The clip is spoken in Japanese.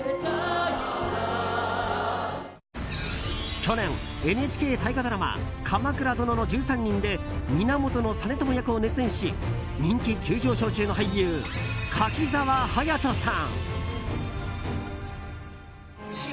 去年、ＮＨＫ大河ドラマ「鎌倉殿の１３人」で源実朝役を熱演し人気急上昇中の俳優柿澤勇人さん。